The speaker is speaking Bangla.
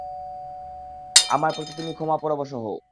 আমার প্রতি তুমি ক্ষমা পরবশ হও।